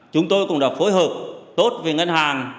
chúng tôi cũng đã phối hợp tốt với ngân hàng